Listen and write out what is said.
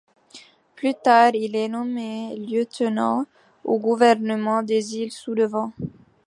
Plus tard, il est nommé lieutenant au gouvernement des Îles Sous-le-Vent.